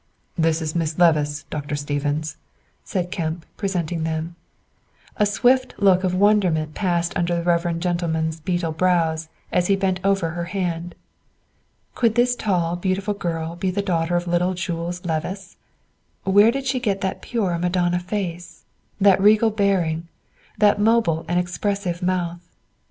"This is Miss Levice, Dr. Stephens," said Kemp, presenting them. A swift look of wonderment passed under the reverend gentleman's beetle brows as he bent over her hand. Could this tall, beautiful girl be the daughter of little Jules Levice? Where did she get that pure Madonna face, that regal bearing, that mobile and expressive mouth?